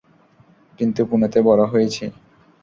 কিন্তু পুনেতে বড় হয়েছি।